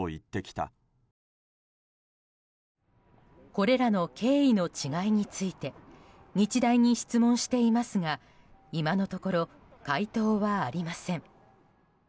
これらの経緯の違いについて日大に質問していますが今のところ回答はありません。